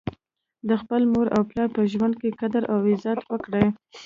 د خپل مور او پلار په ژوند کي قدر او عزت وکړئ